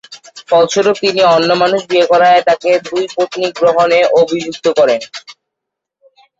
ফলস্বরূপ, তিনি অন্য মানুষ বিয়ে করায় তাকে দুই পত্নী গ্রহণে অভিযুক্ত করেন।